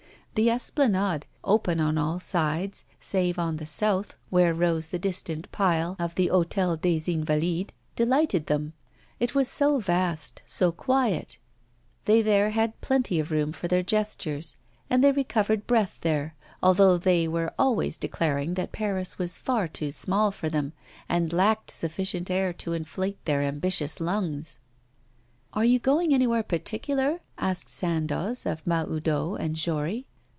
The Esplanade, open on all sides, save on the south, where rose the distant pile of the Hôtel des Invalides, delighted them it was so vast, so quiet; they there had plenty of room for their gestures; and they recovered breath there, although they were always declaring that Paris was far too small for them, and lacked sufficient air to inflate their ambitious lungs. 'Are you going anywhere particular?' asked Sandoz of Mahoudeau and Jory.